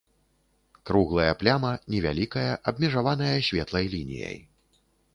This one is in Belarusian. Круглая пляма невялікая, абмежаваная светлай лініяй.